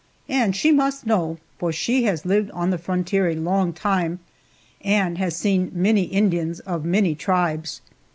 And she must know, for she has lived on the frontier a long time, and has seen many Indians of many tribes.